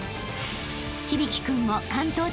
［響君も］